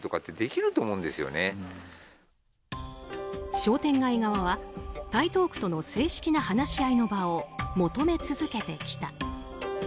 商店街側は台東区との正式な話し合いの場を求め続けてきた。